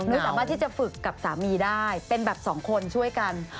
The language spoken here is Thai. สามารถที่จะฝึกกับสามีได้เป็นแบบสองคนช่วยกัน